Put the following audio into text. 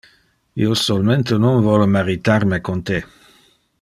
Io solmente non vole maritar me con te.